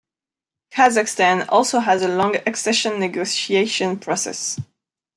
Kazakhstan also had a long accession negotiation process.